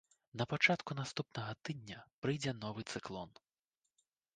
На пачатку наступнага тыдня прыйдзе новы цыклон.